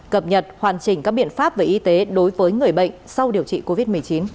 cập nhật hoàn chỉnh các biện pháp về y tế đối với người bệnh sau điều trị covid một mươi chín